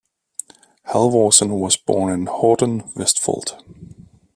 Halvorsen was born in Horten, Vestfold.